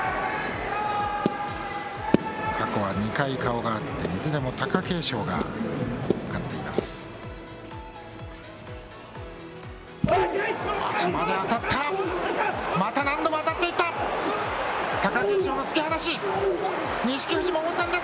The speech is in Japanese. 過去は２回顔があって、いずれも貴景勝が勝っています。